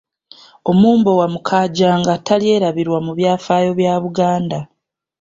Omumbowa Mukaajanga talyerabirwa mu byafaayo bya Buganda,